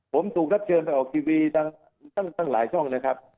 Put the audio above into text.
ผมถูกรับเชิญไปออกทีวีทั้งหลายช่องนะครับ